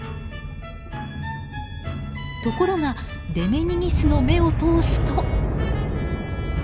ところがデメニギスの目を通すと。